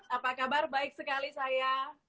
apa kabar baik sekali saya